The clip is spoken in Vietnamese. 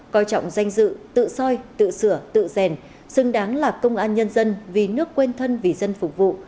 coi trọng danh dự tự soi tự sửa tự rèn xứng đáng là công an nhân dân vì nước quên thân vì dân phục vụ